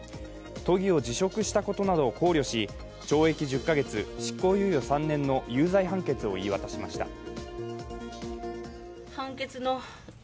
都議を辞職したことなどを考慮し、懲役１０カ月、執行猶予３年の有罪判決を言い渡しました。